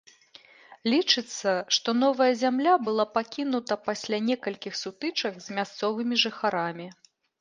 Лічыцца, што новая зямля была пакінута пасля некалькіх сутычак з мясцовымі жыхарамі.